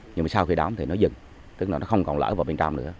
nhưng mà sau khi đóng thì nó dừng tức là nó không còn lỡ vào bên trong nữa